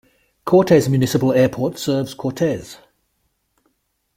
Cortez Municipal Airport serves Cortez.